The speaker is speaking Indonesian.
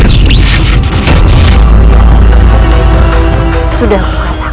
sudah aku katakan